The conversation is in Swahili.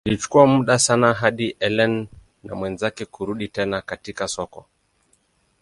Ilichukua muda sana hadi Ellen na mwenzake kurudi tena katika soko.